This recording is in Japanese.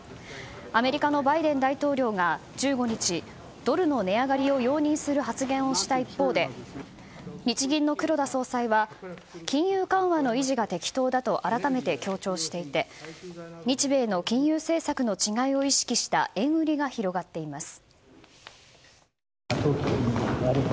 アメリカのバイデン大統領が１５日ドルの値上がりを容認する発言をした一方で日銀の黒田総裁は金融緩和の維持が適当だと改めて強調していて日米の金融政策の違いを意識した円売りが広がっています。